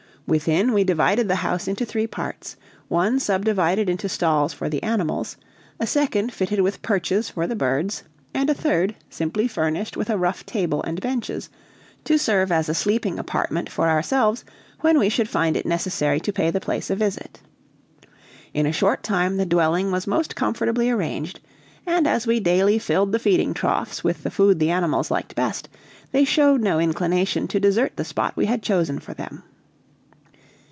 Within we divided the house into three parts; one subdivided into stalls for the animals; a second fitted with perches for the birds, and a third, simply furnished with a rough table and benches, to serve as a sleeping apartment for ourselves, when we should find it necessary to pay the place a visit. In a short time the dwelling was most comfortably arranged, and as we daily filled the feeding troughs with the food the animals best liked, they showed no inclination to desert the spot we had chosen for them.